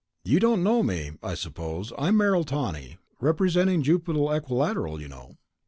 "You don't know me, I suppose. I'm Merrill Tawney. Representing Jupiter Equilateral, you know."